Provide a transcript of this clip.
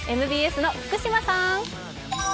ＭＢＳの福島さん！